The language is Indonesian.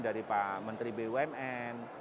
dari pak menteri bumn